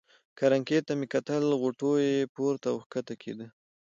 کرنکې ته مې کتل، غوټو یې پورته او کښته کېده.